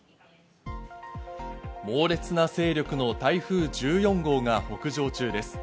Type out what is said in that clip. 猛烈な勢力の台風１４号が北上中です。